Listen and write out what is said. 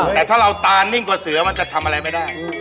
แต่ถ้าเราตานิ่งกว่าเสือมันจะทำอะไรไม่ได้